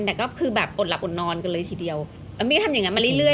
แต่ก็คือแบบอดหลับอดนอนกันเลยทีเดียวแล้วมี่ทำอย่างงั้นมาเรื่อย